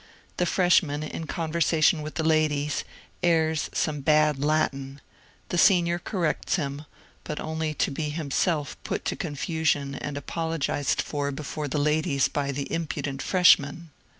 The Freshman, in conversa tion with the ladies, airs some bad Latin, the Senior corrects him, but only to be himself put to confusion and apologized for before the ladies by the impudent Freshman.